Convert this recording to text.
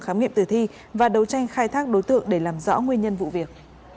khám nghiệm tử thi và đấu tranh khai thác đối tượng để làm rõ nguyên nhân vụ việc